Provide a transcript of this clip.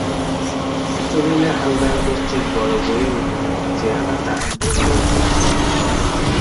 এতদিনে হালদারগোষ্ঠীর বড়োবউয়ের উপযুক্ত চেহারা তাহার ভরিয়া উঠিয়াছে।